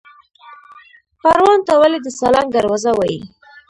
پروان ته ولې د سالنګ دروازه وایي؟